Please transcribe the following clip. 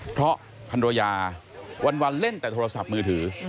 เพราะพันรยาวันเล่นแต่โทรศัพท์มือถือ